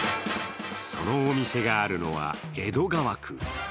そのお店があるのは江戸川区。